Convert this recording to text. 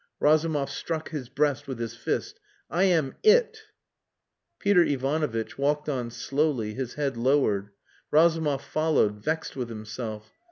Razumov struck his breast with his fist. "I am it!" Peter Ivanovitch walked on slowly, his head lowered. Razumov followed, vexed with himself.